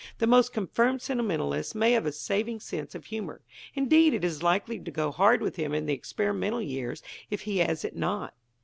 The most confirmed sentimentalist may have a saving sense of humor. Indeed, it is likely to go hard with him in the experimental years, if he has it not.